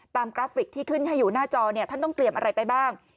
กราฟิกที่ขึ้นให้อยู่หน้าจอเนี่ยท่านต้องเตรียมอะไรไปบ้าง